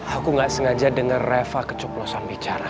aku nggak sengaja dengar reva kecuklosan bicara